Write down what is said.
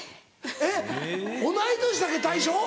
えっ同い年だけ対象？